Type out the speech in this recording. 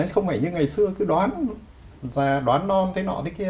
không phải như ngày xưa cứ đoán đoán non thế nọ thế kia